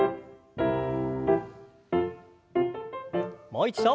もう一度。